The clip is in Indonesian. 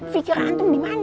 fikir antum gimana